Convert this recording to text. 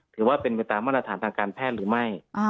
ถือว่าเป็นไปตามมาตรฐานทางการแพทย์หรือไม่